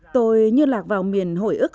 tôi như lạc vào miền hồi ước